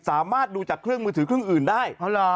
สามารถดูจากเครื่องมือถือเครื่องอื่นได้